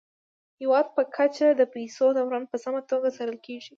د هیواد په کچه د پيسو دوران په سمه توګه څارل کیږي.